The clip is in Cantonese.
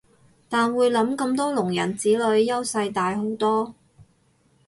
但會諗咁多聾人子女優勢大好多